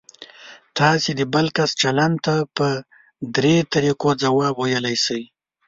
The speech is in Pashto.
تاسو د بل کس چلند ته په درې طریقو ځواب ویلی شئ.